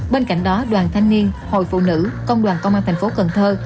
bên cạnh đó đoàn thanh niên hội phụ nữ công đoàn công an thành phố cần thơ